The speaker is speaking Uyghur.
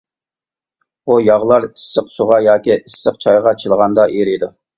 بۇ ياغلار ئىسسىق سۇغا ياكى ئىسسىق چايغا چىلىغاندا ئېرىيدۇ.